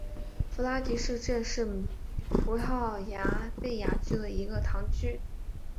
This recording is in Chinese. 弗拉迪什镇是葡萄牙贝雅区的一个堂区。